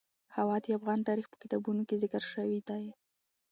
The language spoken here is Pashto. هوا د افغان تاریخ په کتابونو کې ذکر شوی دي.